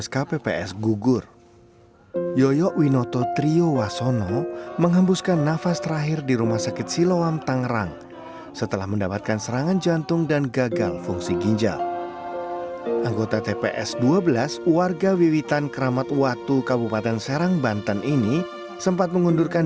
keputusan dari kementerian keuangan terkait besaran jumlah santunan